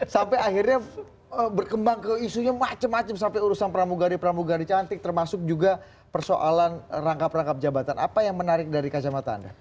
sampai akhirnya berkembang ke isunya macam macam sampai urusan pramugari pramugari cantik termasuk juga persoalan rangkap rangkap jabatan apa yang menarik dari kacamata anda